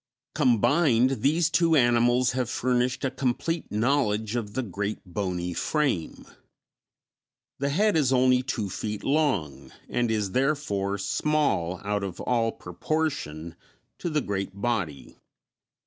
Combined, these two animals have furnished a complete knowledge of the great bony frame. The head is only two feet long, and is, therefore, small out of all proportion to the great body.